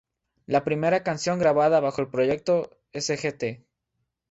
La primera canción grabada bajo el proyecto "Sgt.